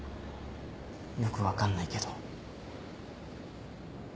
よく分かんないけど。